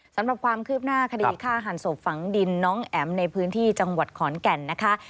สำหรับความคืบหน้าคดีฆ่าหันศพฝังดินน้องแอ๋มในพื้นที่จังหวัดขอนแก่นนะคะ